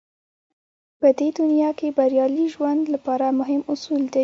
په دې دنيا کې بريالي ژوند لپاره مهم اصول دی.